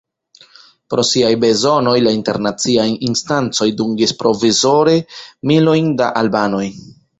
Pro siaj bezonoj, la internaciaj instancoj dungis provizore milojn da albanoj.